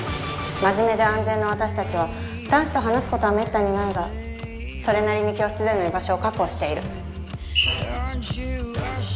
真面目で安全な私たちは男子と話すことは滅多にないがそれなりに教室での居場所を確保している。